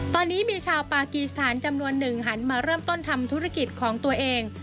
ตอนนี้มีชาวปากีสถานจำนวนหนึ่งหันมาเริ่มต้นทำธุรกิจของตัวเอง